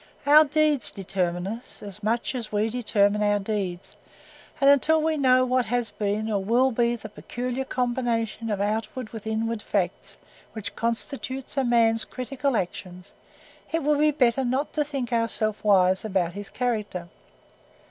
Our deeds determine us, as much as we determine our deeds, and until we know what has been or will be the peculiar combination of outward with inward facts, which constitutes a man's critical actions, it will be better not to think ourselves wise about his character.